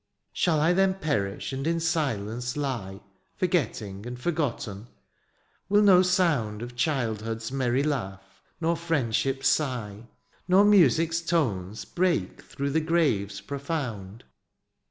^^ Shall I then perish and in silence lie ^^ Forgetting and forgotten. WiU no sound " Of childhood^s|aerry laugh, nor friendship's sigh, ^^Nor music's tones break through the grave's profoimd